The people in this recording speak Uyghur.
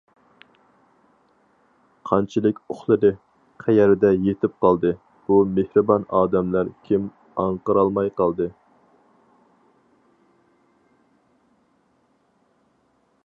قانچىلىك ئۇخلىدى، قەيەردە يېتىپ قالدى، بۇ مېھرىبان ئادەملەر كىم ئاڭقىرالماي قالدى.